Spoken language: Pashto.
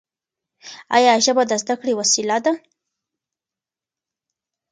ایا ژبه د زده کړې وسیله ده؟